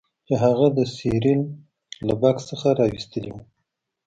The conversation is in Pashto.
چې هغه د سیریل له بکس څخه راویستلی و